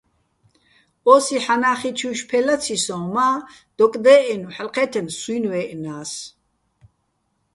ოსი ჰ̦ანახიჩუჲშვ ფე ლაცი სოჼ, მა დოკ დეჸენო̆, ჰ̦ალო ჴეთთენო̆ სუჲნი̆ ვეჸნას.